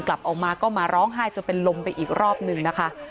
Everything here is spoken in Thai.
กลับออกมาก็มาร้องไห้จนเป็นลมไปอีกรอบนึงนะคะ